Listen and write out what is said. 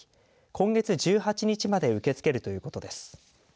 今月１８日まで受け付けるということです。